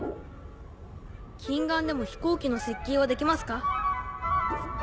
近眼でも飛行機の設計はできますか？